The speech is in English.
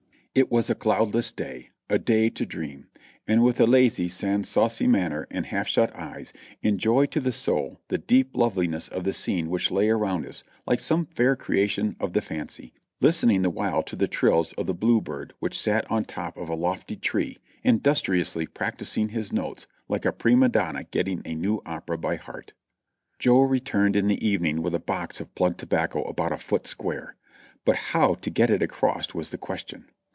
It was a cloudless day,— a day to dream.— and with a lazy sans soua manner and half shut eyes, enjoy to the soul the d^p^ov ! mess of the scene which lay around us like some fair creation of sat o^tf ' f""'7 '^'.''^''^''''^'^^^"^°^ ^he blue bird which sat on the top of a lofty tree industriously practicing his notes like a prima donna getting a new opera by heart Toe returned in the evening with a box of plug tobacco about a foot square; bu how to get it across was the question.